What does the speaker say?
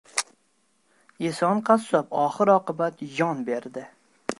Eson qassob oxir-oqibat yon berdi.